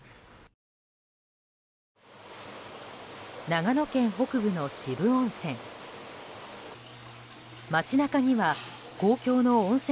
長野県北部の渋温泉。